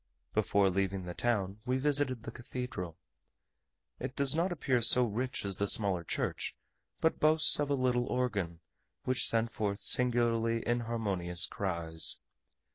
Before leaving the town we visited the cathedral. It does not appear so rich as the smaller church, but boasts of a little organ, which sent forth singularly inharmonious cries.